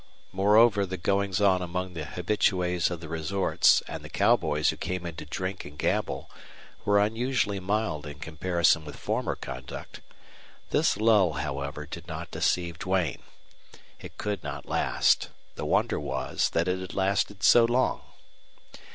Moreover, the goings on among the habitues of the resorts and the cowboys who came in to drink and gamble were unusually mild in comparison with former conduct. This lull, however, did not deceive Duane. It could not last. The wonder was that it had lasted so long.